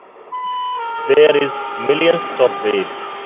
There's millions of ways.